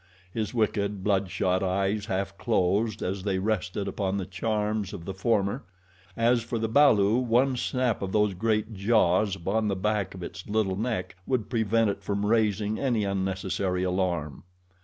His wicked, blood shot eyes half closed as they rested upon the charms of the former as for the balu, one snap of those great jaws upon the back of its little neck would prevent it from raising any unnecessary alarm.